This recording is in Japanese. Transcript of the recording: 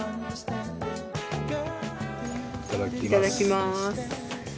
いただきます。